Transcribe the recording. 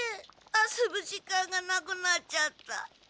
遊ぶ時間がなくなっちゃった。